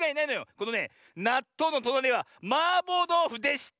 このねなっとうのとなりはマーボーどうふでした！